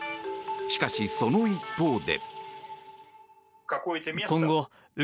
しかし、その一方で。